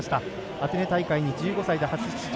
アテネ大会に１５歳で初出場。